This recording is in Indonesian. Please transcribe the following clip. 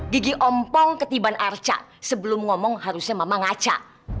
gigi ompong ketiban arca sebelum ngomong harusnya mama ngaca